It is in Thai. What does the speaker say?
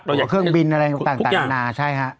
ตัวเครื่องบินอะไรต่างนานาใช่ฮะ